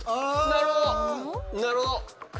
なるほど。